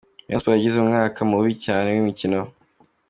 Rayon Sports yagize umwaka mubi cyane w’imikino.